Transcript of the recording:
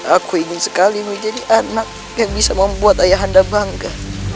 aku ingin sekali menjadi anak yang bisa membuat ayah anda bangga